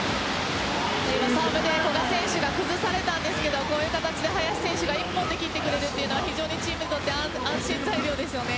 サーブで古賀選手が崩されたんですけどこういう形で林選手が１本で切ってくれるのは非常にチームにとって安心材料ですよね。